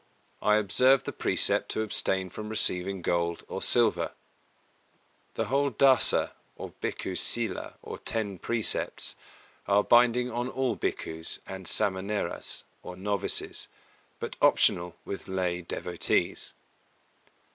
I observe the precept to abstain from receiving gold or silver. The whole Dasa, or Bhikkhu Sīla or Ten Precepts, are binding on all Bhikkhus and Samaneras, or novices, but optional with lay devotees.